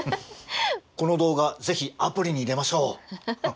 この動画是非アプリに入れましょう。